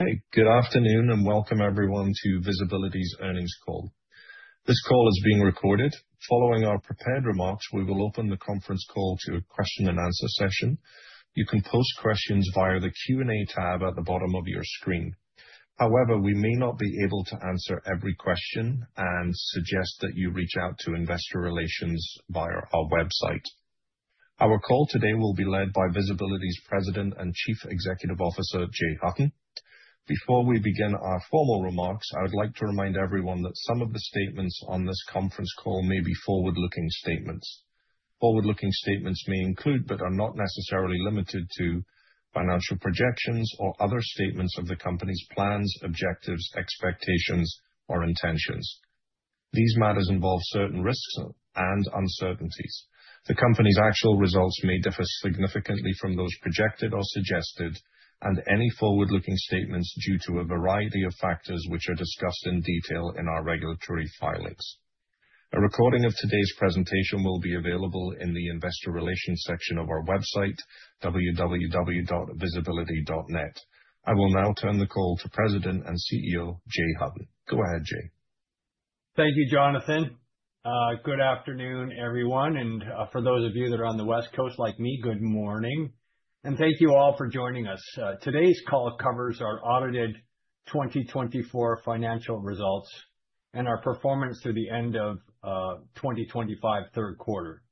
Okay, good afternoon, and welcome everyone to VSBLTY's Earnings Call. This call is being recorded. Following our prepared remarks, we will open the conference call to a question and answer session. You can post questions via the Q&A tab at the bottom of your screen. However, we may not be able to answer every question and suggest that you reach out to investor relations via our website. Our call today will be led by VSBLTY's President and Chief Executive Officer, Jay Hutton. Before we begin our formal remarks, I would like to remind everyone that some of the statements on this conference call may be forward-looking statements. Forward-looking statements may include, but are not necessarily limited to, financial projections or other statements of the company's plans, objectives, expectations, or intentions. These matters involve certain risks and uncertainties. The company's actual results may differ significantly from those projected or suggested, and any forward-looking statements due to a variety of factors, which are discussed in detail in our regulatory filings. A recording of today's presentation will be available in the Investor Relations section of our website, www.vsblty.net. I will now turn the call to President and CEO, Jay Hutton. Go ahead, Jay. Thank you, Jonathan. Good afternoon, everyone, and, for those of you that are on the West Coast like me, good morning, and thank you all for joining us. Today's call covers our audited 2024 financial results and our performance through the end of 2025 third quarter.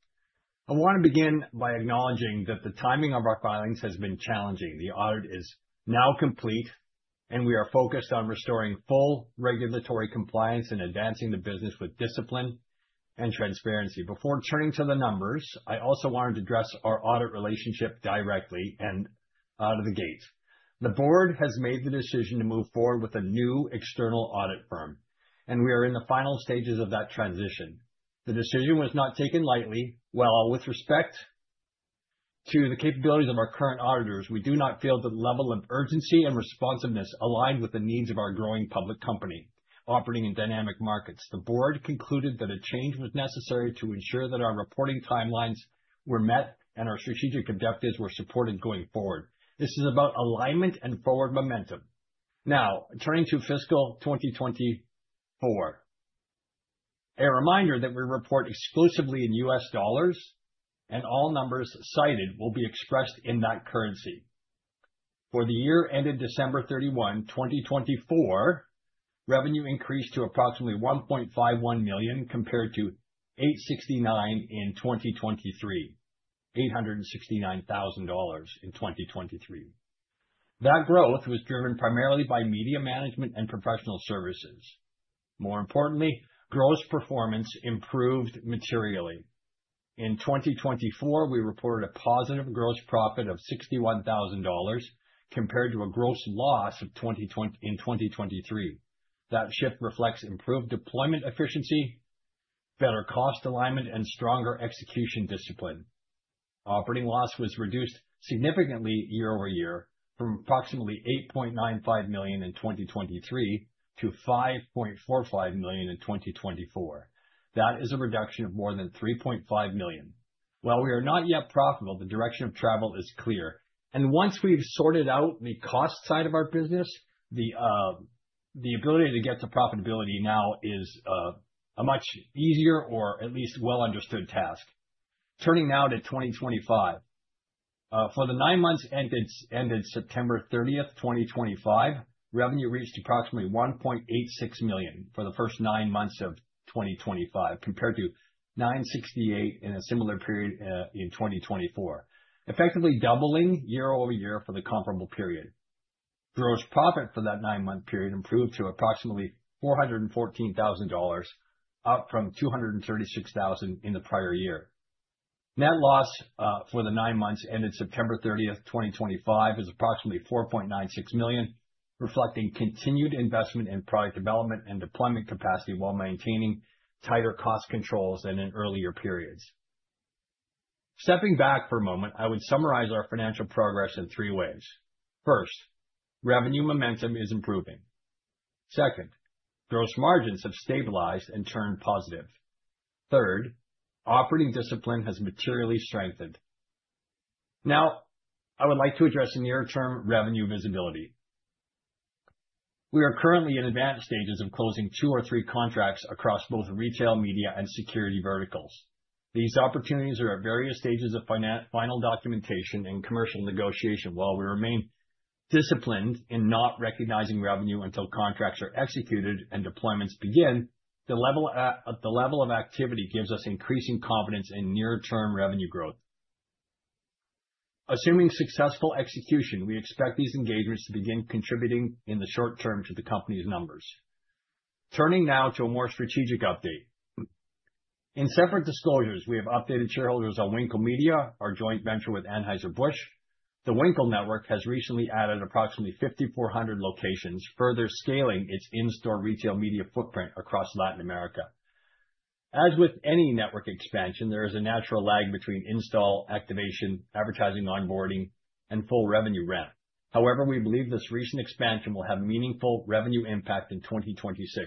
I want to begin by acknowledging that the timing of our filings has been challenging. The audit is now complete, and we are focused on restoring full regulatory compliance and advancing the business with discipline and transparency. Before turning to the numbers, I also wanted to address our audit relationship directly and out of the gate. The board has made the decision to move forward with a new external audit firm, and we are in the final stages of that transition. The decision was not taken lightly. While with respect to the capabilities of our current auditors, we do not feel the level of urgency and responsiveness aligned with the needs of our growing public company, operating in dynamic markets. The board concluded that a change was necessary to ensure that our reporting timelines were met and our strategic objectives were supported going forward. This is about alignment and forward momentum. Now, turning to fiscal 2024. A reminder that we report exclusively in U.S. dollars, and all numbers cited will be expressed in that currency. For the year ended December 31, 2024, revenue increased to approximately $1.51 million, compared to $869,000 in 2023, $869,000 in 2023. That growth was driven primarily by media management and professional services. More importantly, gross performance improved materially. In 2024, we reported a positive gross profit of $61,000, compared to a gross loss of in 2023. That shift reflects improved deployment efficiency, better cost alignment, and stronger execution discipline. Operating loss was reduced significantly year-over-year, from approximately $8.95 million in 2023 to $5.45 million in 2024. That is a reduction of more than $3.5 million. While we are not yet profitable, the direction of travel is clear, and once we've sorted out the cost side of our business, the the ability to get to profitability now is a much easier or at least well understood task. Turning now to 2025. For the nine months ended September 30, 2025, revenue reached approximately $1.86 million for the first nine months of 2025, compared to $968 thousand in a similar period in 2024, effectively doubling year-over-year for the comparable period. Gross profit for that nine-month period improved to approximately $414 thousand, up from $236 thousand in the prior year. Net loss for the nine months ended September 30, 2025, is approximately $4.96 million, reflecting continued investment in product development and deployment capacity while maintaining tighter cost controls than in earlier periods. Stepping back for a moment, I would summarize our financial progress in three ways. First, revenue momentum is improving. Second, gross margins have stabilized and turned positive. Third, operating discipline has materially strengthened. Now, I would like to address the near-term revenue visibility. We are currently in advanced stages of closing two or three contracts across both retail media and security verticals. These opportunities are at various stages of final documentation and commercial negotiation. While we remain disciplined in not recognizing revenue until contracts are executed and deployments begin, the level of activity gives us increasing confidence in near-term revenue growth. Assuming successful execution, we expect these engagements to begin contributing in the short term to the company's numbers. Turning now to a more strategic update. In separate disclosures, we have updated shareholders on Winkel Media, our joint venture with Anheuser-Busch. The Winkel Network has recently added approximately 5,400 locations, further scaling its in-store retail media footprint across Latin America. As with any network expansion, there is a natural lag between install, activation, advertising, onboarding, and full revenue ramp. However, we believe this recent expansion will have meaningful revenue impact in 2026,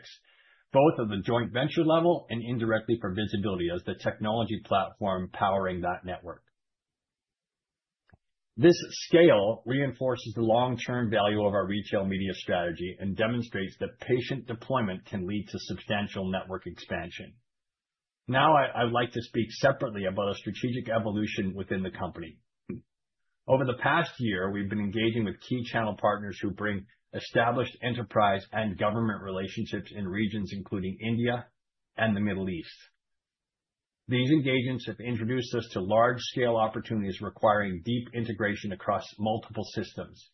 both at the joint venture level and indirectly for VSBLTY as the technology platform powering that network. This scale reinforces the long-term value of our retail media strategy and demonstrates that patient deployment can lead to substantial network expansion. Now, I'd like to speak separately about a strategic evolution within the company. Over the past year, we've been engaging with key channel partners who bring established enterprise and government relationships in regions including India and the Middle East. These engagements have introduced us to large-scale opportunities requiring deep integration across multiple systems.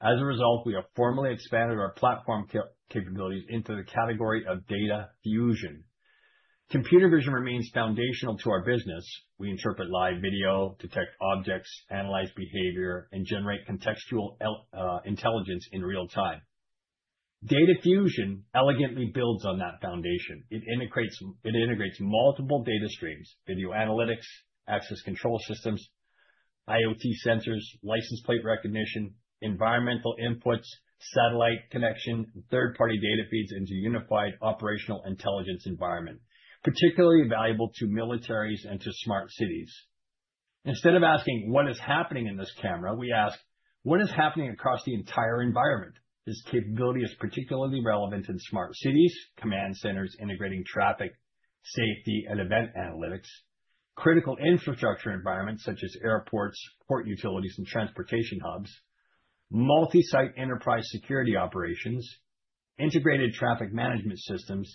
As a result, we have formally expanded our platform capabilities into the category of Data Fusion. Computer vision remains foundational to our business. We interpret live video, detect objects, analyze behavior, and generate contextual intelligence in real time. Data Fusion elegantly builds on that foundation. It integrates multiple data streams, video analytics, access control systems, IoT sensors, license plate recognition, environmental inputs, satellite connection, third-party data feeds into unified operational intelligence environment, particularly valuable to militaries and to smart cities. Instead of asking what is happening in this camera, we ask, "What is happening across the entire environment?" This capability is particularly relevant in smart cities, command centers integrating traffic, safety, and event analytics, critical infrastructure environments such as airports, port utilities, and transportation hubs, multi-site enterprise security operations, integrated traffic management systems,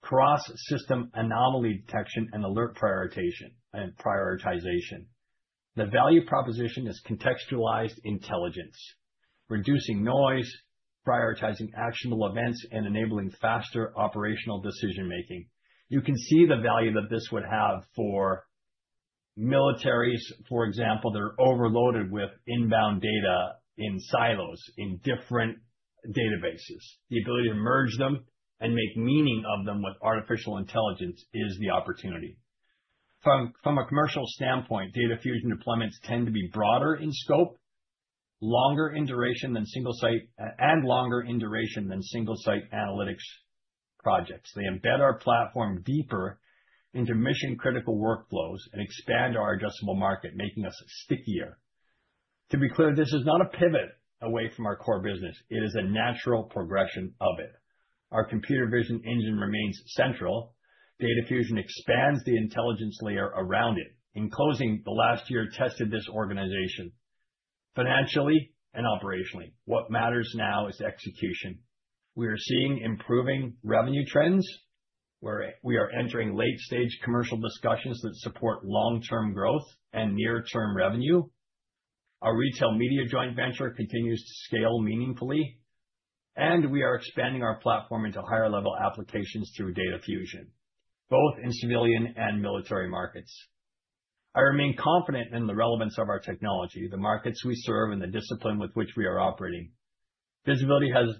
cross-system anomaly detection, and alert prioritization. The value proposition is contextualized intelligence, reducing noise, prioritizing actionable events, and enabling faster operational decision making. You can see the value that this would have for militaries, for example, that are overloaded with inbound data in silos, in different databases. The ability to merge them and make meaning of them with artificial intelligence is the opportunity. From a commercial standpoint, Data Fusion deployments tend to be broader in scope, longer in duration than single site and longer in duration than single-site analytics projects. They embed our platform deeper into mission-critical workflows and expand our addressable market, making us stickier. To be clear, this is not a pivot away from our core business. It is a natural progression of it. Our computer vision engine remains central. Data fusion expands the intelligence layer around it. In closing, the last year tested this organization financially and operationally. What matters now is execution. We are seeing improving revenue trends, where we are entering late-stage commercial discussions that support long-term growth and near-term revenue. Our retail media joint venture continues to scale meaningfully, and we are expanding our platform into higher level applications through Data Fusion, both in civilian and military markets. I remain confident in the relevance of our technology, the markets we serve, and the discipline with which we are operating. VSBLTY has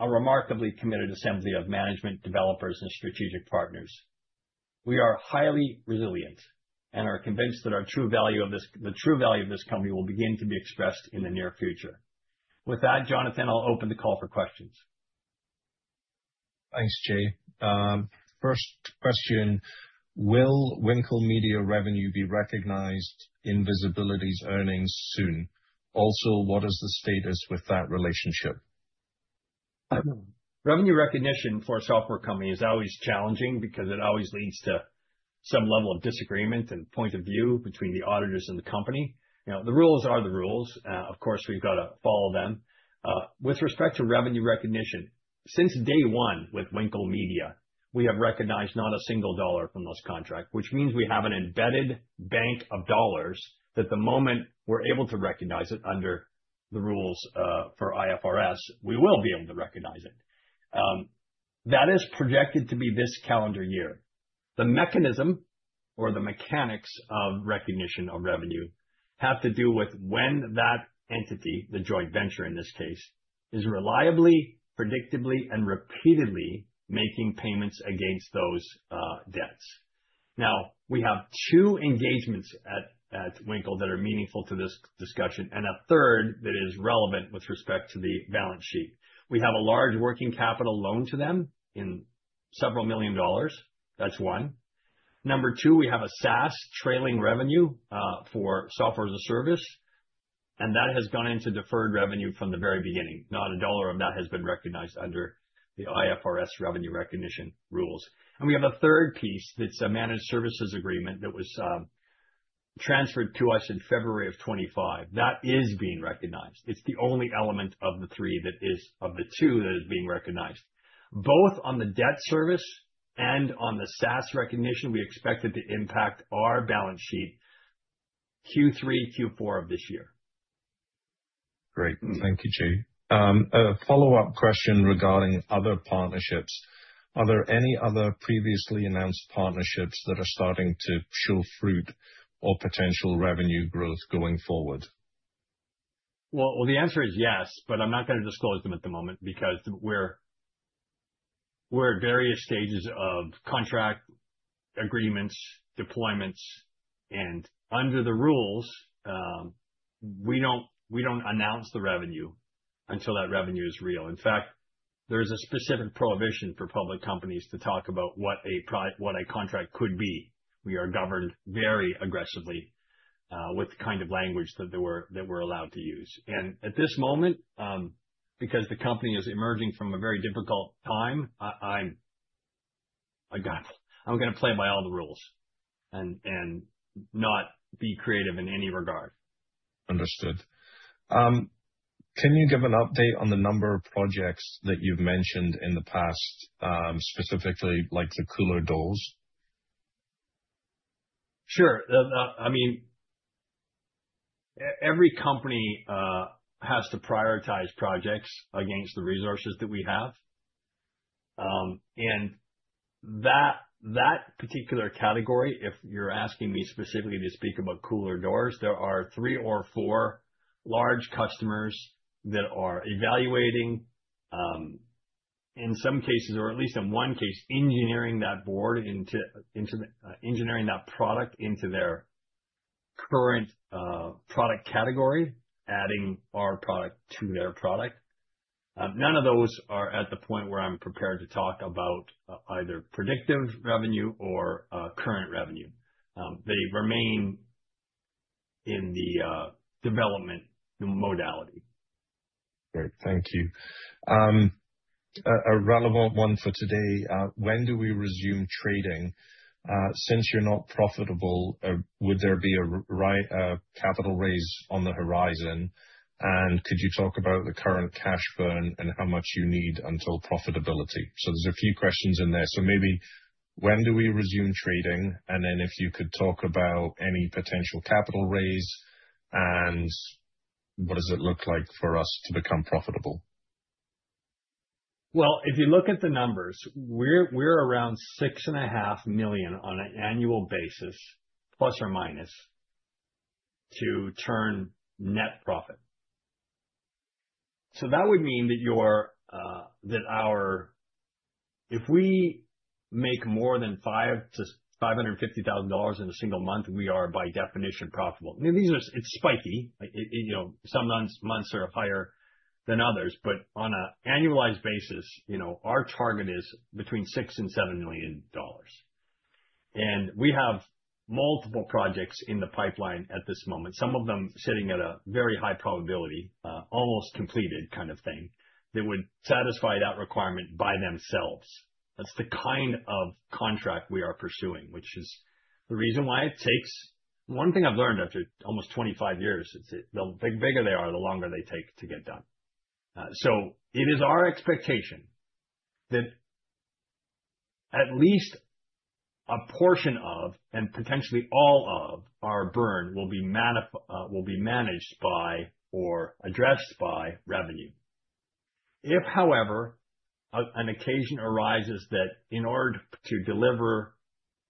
a remarkably committed assembly of management, developers, and strategic partners. We are highly resilient and are convinced that our true value of this, the true value of this company will begin to be expressed in the near future. With that, Jonathan, I'll open the call for questions. Thanks, Jay. First question: Will Winkel Media revenue be recognized in VSBLTY's earnings soon? Also, what is the status with that relationship? Revenue recognition for a software company is always challenging because it always leads to some level of disagreement and point of view between the auditors and the company. You know, the rules are the rules. Of course, we've got to follow them. With respect to revenue recognition, since day one with Winkel Media, we have recognized not a single dollar from this contract, which means we have an embedded bank of dollars that the moment we're able to recognize it under the rules, for IFRS, we will be able to recognize it. That is projected to be this calendar year. The mechanism or the mechanics of recognition of revenue have to do with when that entity, the joint venture in this case, is reliably, predictably, and repeatedly making payments against those, debts. Now, we have two engagements at Winkel that are meaningful to this discussion, and a third that is relevant with respect to the balance sheet. We have a large working capital loan to them in several million dollars. That's one. Number two, we have a SaaS trailing revenue for software as a service, and that has gone into deferred revenue from the very beginning. Not a dollar of that has been recognized under the IFRS revenue recognition rules. And we have a third piece that's a managed services agreement that was transferred to us in February of 2025. That is being recognized. It's the only element of the three that is of the two that is being recognized. Both on the debt service and on the SaaS recognition, we expect it to impact our balance sheet Q3, Q4 of this year. Great. Thank you, Jay. A follow-up question regarding other partnerships. Are there any other previously announced partnerships that are starting to show fruit or potential revenue growth going forward? Well, the answer is yes, but I'm not going to disclose them at the moment because we're at various stages of contract agreements, deployments, and under the rules, we don't announce the revenue until that revenue is real. In fact, there is a specific prohibition for public companies to talk about what a contract could be. We are governed very aggressively with the kind of language that we're allowed to use. And at this moment, because the company is emerging from a very difficult time, I got it. I'm gonna play by all the rules and not be creative in any regard. Understood. Can you give an update on the number of projects that you've mentioned in the past, specifically, like the cooler doors? Sure. I mean, every company has to prioritize projects against the resources that we have. That particular category, if you're asking me specifically to speak about cooler doors, there are three or four large customers that are evaluating, in some cases, or at least in one case, engineering that product into their current product category, adding our product to their product. None of those are at the point where I'm prepared to talk about either predictive revenue or current revenue. They remain in the development modality. Great. Thank you. A relevant one for today: When do we resume trading? Since you're not profitable, would there be a capital raise on the horizon? And could you talk about the current cash burn and how much you need until profitability? So there's a few questions in there. So maybe when do we resume trading? And then if you could talk about any potential capital raise, and what does it look like for us to become profitable? Well, if you look at the numbers, we're around $6.5 million on an annual basis, plus or minus, to turn net profit. So that would mean that our... If we make more than $550,000 in a single month, we are, by definition, profitable. I mean, these are—it's spiky. You know, some months are higher than others, but on an annualized basis, you know, our target is between $6 million and $7 million. And we have multiple projects in the pipeline at this moment, some of them sitting at a very high probability, almost completed kind of thing, that would satisfy that requirement by themselves. That's the kind of contract we are pursuing, which is the reason why it takes... One thing I've learned after almost 25 years is the bigger they are, the longer they take to get done. So it is our expectation that at least a portion of, and potentially all of our burn will be managed by or addressed by revenue. If, however, an occasion arises that in order to deliver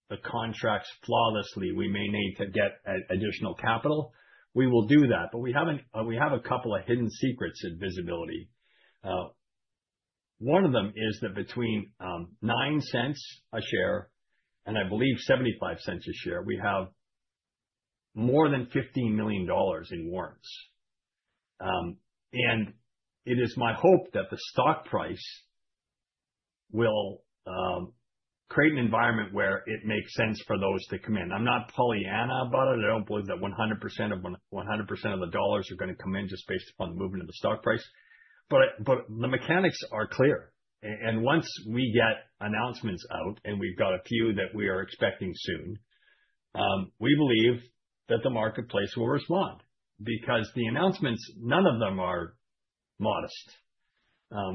the contracts flawlessly, we may need to get additional capital, we will do that, but we have a couple of hidden secrets at VSBLTY. One of them is that between $0.09 a share and I believe $0.75 a share, we have more than $15 million in warrants. And it is my hope that the stock price will create an environment where it makes sense for those to come in. I'm not Pollyanna about it. I don't believe that 100% of the dollars are gonna come in just based upon the movement of the stock price. But the mechanics are clear. And once we get announcements out, and we've got a few that we are expecting soon, we believe that the marketplace will respond because the announcements, none of them are modest.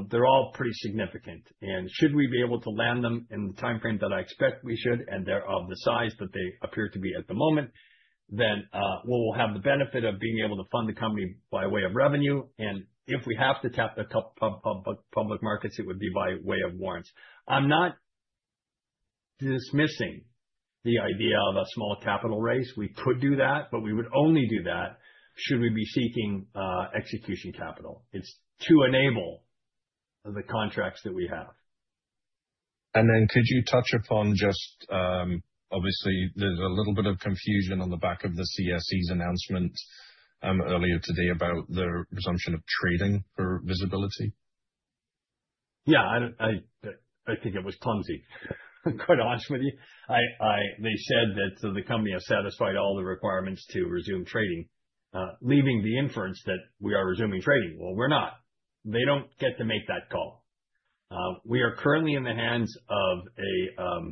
They're all pretty significant, and should we be able to land them in the timeframe that I expect we should, and they're of the size that they appear to be at the moment, then we'll have the benefit of being able to fund the company by way of revenue, and if we have to tap the public markets, it would be by way of warrants. I'm not dismissing the idea of a small capital raise. We could do that, but we would only do that should we be seeking execution capital. It's to enable the contracts that we have. Then could you touch upon just... Obviously, there's a little bit of confusion on the back of the CSE's announcement earlier today about the resumption of trading for VSBLTY? Yeah, I don't—I think it was clumsy. Quite honest with you, I—they said that the company has satisfied all the requirements to resume trading, leaving the inference that we are resuming trading. Well, we're not. They don't get to make that call. We are currently in the hands of a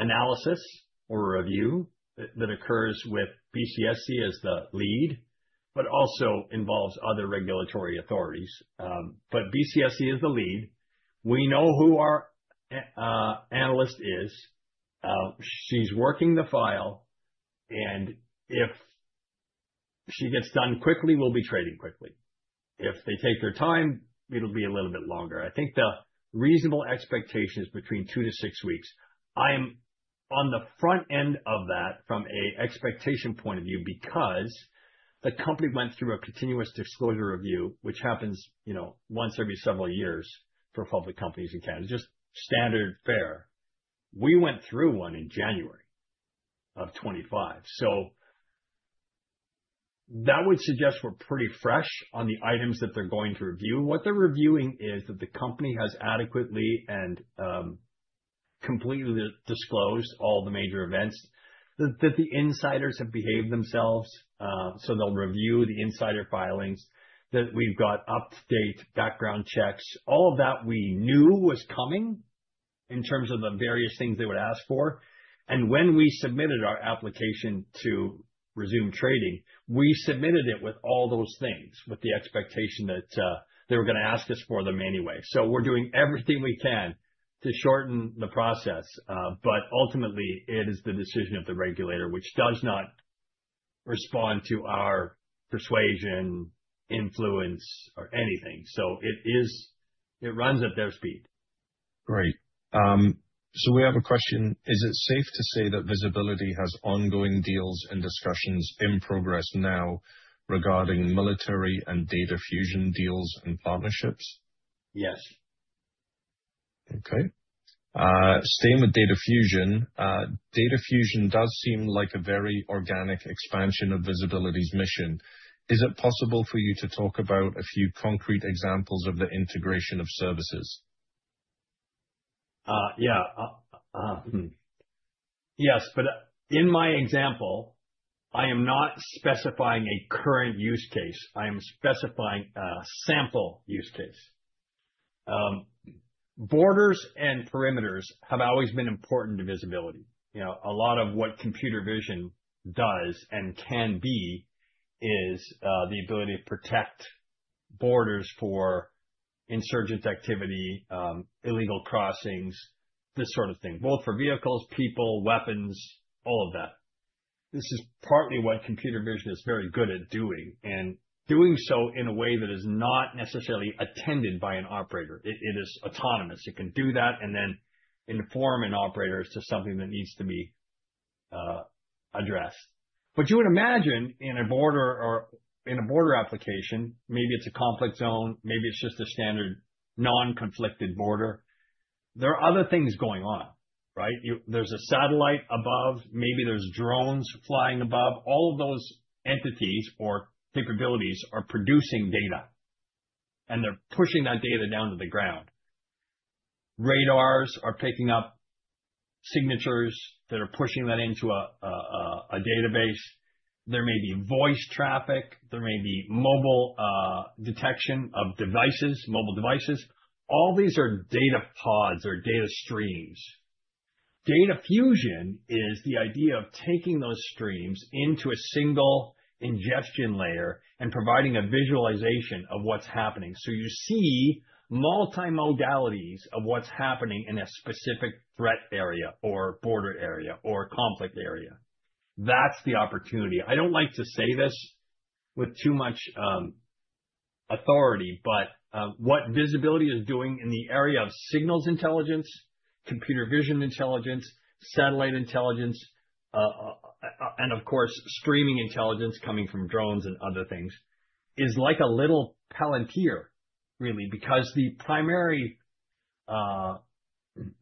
analysis or review that occurs with BCSC as the lead, but also involves other regulatory authorities. But BCSC is the lead. We know who our analyst is. She's working the file, and if she gets done quickly, we'll be trading quickly. If they take their time, it'll be a little bit longer. I think the reasonable expectation is between two to six weeks. I am on the front end of that from an expectation point of view, because the company went through a continuous disclosure review, which happens, you know, once every several years for public companies in Canada. Just standard fare. We went through one in January of 2025. That would suggest we're pretty fresh on the items that they're going to review. What they're reviewing is that the company has adequately and completely disclosed all the major events, that the insiders have behaved themselves. So they'll review the insider filings, that we've got up-to-date background checks. All of that we knew was coming in terms of the various things they would ask for, and when we submitted our application to resume trading, we submitted it with all those things, with the expectation that they were going to ask us for them anyway. We're doing everything we can to shorten the process, but ultimately it is the decision of the regulator, which does not respond to our persuasion, influence, or anything, so it runs at their speed. Great. So we have a question: Is it safe to say that VSBLTY has ongoing deals and discussions in progress now regarding military and Data Fusion deals and partnerships? Yes. Okay. Staying with Data Fusion, Data Fusion does seem like a very organic expansion of VSBLTY's mission. Is it possible for you to talk about a few concrete examples of the integration of services? Yes, but in my example, I am not specifying a current use case, I am specifying a sample use case. Borders and perimeters have always been important to VSBLTY. You know, a lot of what computer vision does and can be is the ability to protect borders for insurgent activity, illegal crossings, this sort of thing, both for vehicles, people, weapons, all of that. This is partly what computer vision is very good at doing, and doing so in a way that is not necessarily attended by an operator. It is autonomous. It can do that and then inform an operator as to something that needs to be addressed. But you would imagine in a border or in a border application, maybe it's a conflict zone, maybe it's just a standard non-conflicted border, there are other things going on, right? There's a satellite above, maybe there's drones flying above. All of those entities or capabilities are producing data, and they're pushing that data down to the ground. Radars are picking up signatures that are pushing that into a database. There may be voice traffic, there may be mobile detection of devices, mobile devices. All these are data pods or data streams. Data Fusion is the idea of taking those streams into a single ingestion layer and providing a visualization of what's happening. So you see multi-modalities of what's happening in a specific threat area or border area or conflict area. That's the opportunity. I don't like to say this with too much authority, but what VSBLTY is doing in the area of signals intelligence, computer vision intelligence, satellite intelligence, and of course, streaming intelligence coming from drones and other things, is like a little Palantir, really, because the primary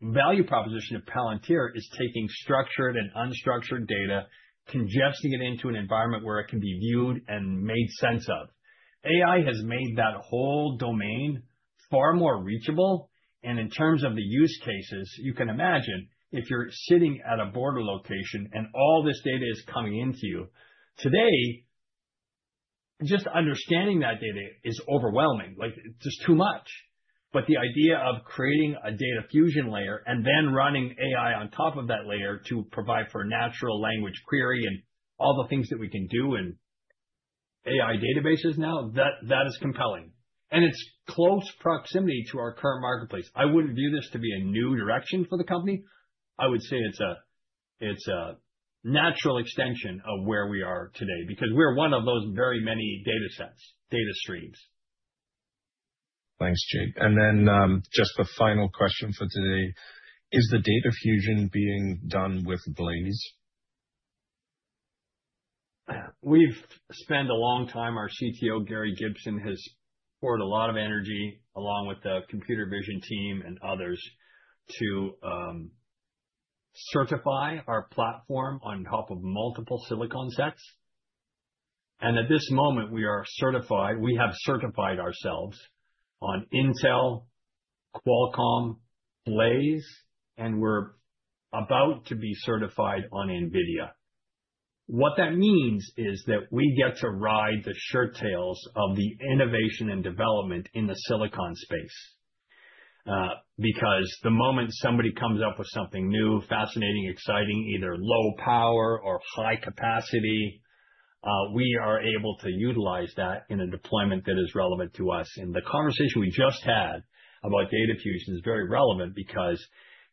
value proposition of Palantir is taking structured and unstructured data, congesting it into an environment where it can be viewed and made sense of. AI has made that whole domain far more reachable, and in terms of the use cases, you can imagine, if you're sitting at a border location and all this data is coming into you, today, just understanding that data is overwhelming, like, just too much. But the idea of creating a Data Fusion layer and then running AI on top of that layer to provide for natural language query and all the things that we can do in AI databases now, that, that is compelling, and it's close proximity to our current marketplace. I wouldn't view this to be a new direction for the company. I would say it's a, it's a natural extension of where we are today, because we're one of those very many data sets, data streams. Thanks, Jay. And then, just the final question for today: Is the Data Fusion being done with Blaize? We've spent a long time. Our CTO, Gary Gibson, has poured a lot of energy, along with the computer vision team and others, to certify our platform on top of multiple silicon sets. At this moment, we are certified. We have certified ourselves on Intel, Qualcomm, Blaize, and we're about to be certified on NVIDIA. What that means is that we get to ride the shirttails of the innovation and development in the silicon space, because the moment somebody comes up with something new, fascinating, exciting, either low power or high capacity, we are able to utilize that in a deployment that is relevant to us. The conversation we just had about Data Fusion is very relevant because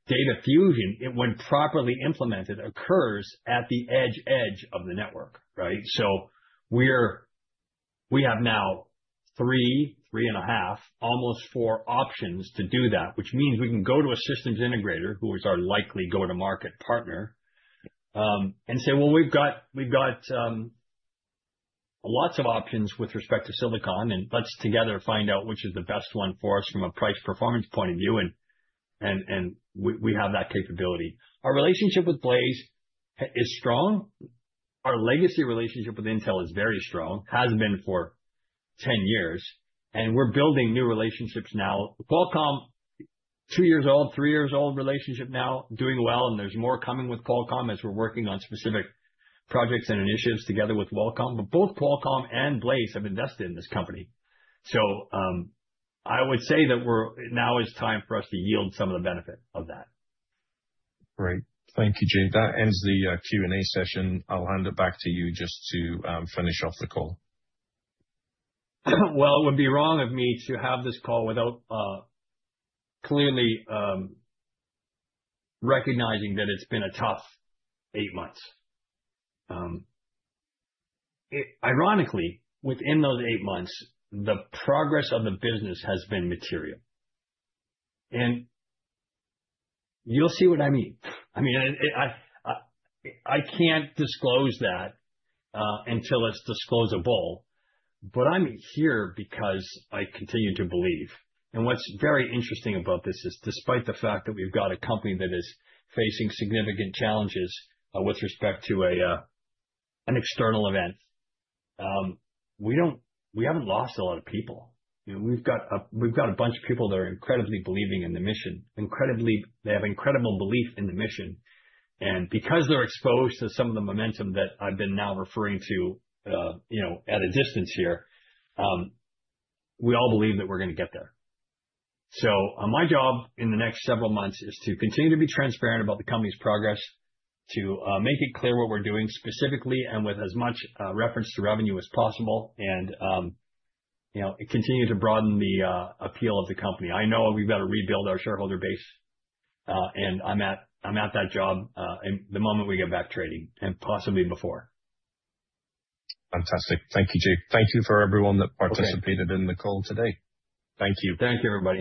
Data Fusion, when properly implemented, occurs at the edge, edge of the network, right? So we have now three, 3.5, almost four options to do that, which means we can go to a systems integrator, who is our likely go-to-market partner, and say, "Well, we've got, we've got, lots of options with respect to silicon, and let's together find out which is the best one for us from a price-performance point of view," and we have that capability. Our relationship with Blaize is strong. Our legacy relationship with Intel is very strong, has been for 10 years, and we're building new relationships now. Qualcomm, two-year-old, three-year-old relationship now, doing well, and there's more coming with Qualcomm as we're working on specific projects and initiatives together with Qualcomm. But both Qualcomm and Blaize have invested in this company. So, I would say that now is time for us to yield some of the benefit of that. Great. Thank you, Jay. That ends the Q&A session. I'll hand it back to you just to finish off the call. Well, it would be wrong of me to have this call without clearly recognizing that it's been a tough eight months. Ironically, within those eight months, the progress of the business has been material. You'll see what I mean. I mean, I can't disclose that until it's disclosable, but I'm here because I continue to believe. And what's very interesting about this is, despite the fact that we've got a company that is facing significant challenges with respect to an external event, we don't, we haven't lost a lot of people. You know, we've got a bunch of people that are incredibly believing in the mission. Incredibly. They have incredible belief in the mission, and because they're exposed to some of the momentum that I've been now referring to, you know, at a distance here, we all believe that we're gonna get there. So my job in the next several months is to continue to be transparent about the company's progress, to make it clear what we're doing specifically and with as much reference to revenue as possible, and, you know, continue to broaden the appeal of the company. I know we've got to rebuild our shareholder base, and I'm at that job, and the moment we get back trading, and possibly before. Fantastic. Thank you, Jay. Thank you for everyone that participated- Okay. in the call today. Thank you. Thank you, everybody.